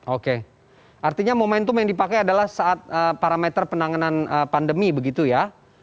oke artinya momentum yang dipakai adalah saat parameter penanganan pandemi begitu ya